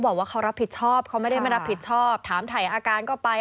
บอกว่าเขารับผิดชอบเขาไม่ได้ไม่รับผิดชอบถามถ่ายอาการก็ไป